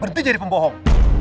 berhenti jadi pembohong